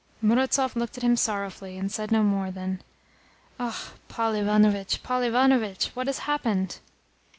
Murazov looked at him sorrowfully, and said no more than "Ah, Paul Ivanovitch, Paul Ivanovitch! What has happened?"